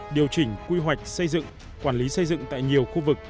điều chỉnh quy hoạch xây dựng quản lý xây dựng tại nhiều khu vực